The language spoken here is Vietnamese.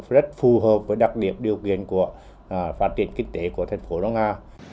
rất phù hợp với đặc điểm điều kiện của phát triển kinh tế của thành phố đông hà